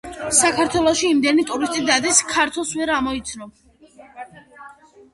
საქართველოში იმდენი ტურისტი დადის ქართველს ვერ ამოცნობ.